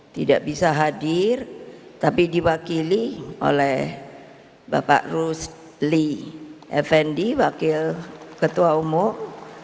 tidak bisa hadir tapi diwakili oleh bapak rusli effendi wakil ketua umum